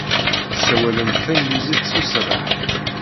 Tessawalemt tanglizit s userreḥ.